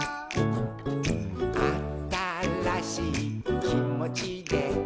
「あたらしいきもちで」